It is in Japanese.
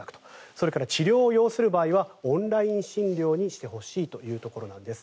それから治療を要する場合はオンライン診療にしてほしいというところです。